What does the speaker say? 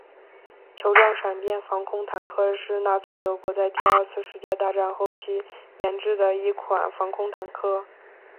球状闪电防空坦克是纳粹德国在第二次世界大战后期研制的一款防空坦克。